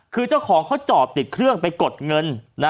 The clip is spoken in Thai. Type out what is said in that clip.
คือเจ้าของเขาจอดติดเครื่องไปกดเงิน